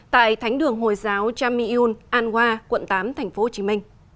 tại thánh đường hồi giáo chammy un an hoa quận tám tp hcm